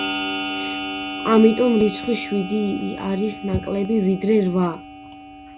ამიტომ რიცხვი შვიდი არის ნაკლები, ვიდრე რვა.